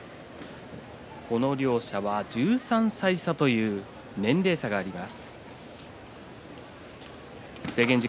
この両者は１３歳差という年齢差があります。